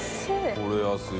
これ安い。